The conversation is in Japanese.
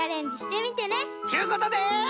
ちゅうことで。